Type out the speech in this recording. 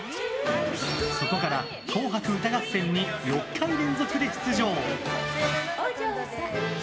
そこから「紅白歌合戦」に６回連続で出場。